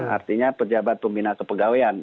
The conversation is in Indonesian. artinya pejabat pembina kepegawaian